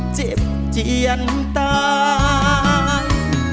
เจ็บเจียนตาย